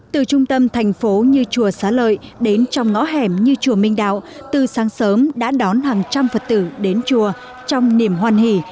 từ trung tâm thành phố như chùa xá lợi đến trong ngõ hẻm như chùa minh đạo từ sáng sớm đã đón hàng trăm phật tử đến chùa trong niềm hoan hỷ